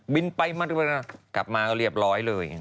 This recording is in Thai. วินไปมาก็เรียบร้อยเลย